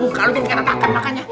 buka lu dia tidak dapatkan makanya